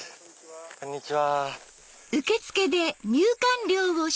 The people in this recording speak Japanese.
こんにちは。